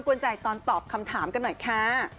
วนใจตอนตอบคำถามกันหน่อยค่ะ